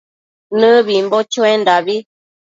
Nëbimbo chuendabi